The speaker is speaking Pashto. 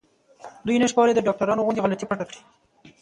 دوی نشي کولای د ډاکټرانو غوندې غلطي پټه کړي.